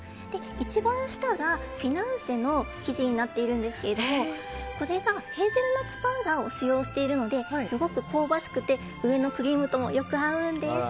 一番下がフィナンシェの生地になっているんですけどこれがヘーゼルナッツパウダーを使用しているのですごく香ばしくて上のクリームともよく合うんです。